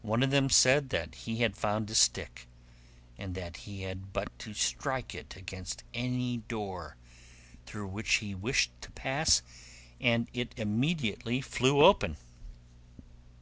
One of them said that he had found a stick, and that he had but to strike it against any door through which he wished to pass, and it immediately flew open.